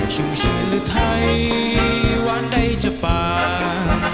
ชุมเชียนหรือไทยหวานได้จับปาก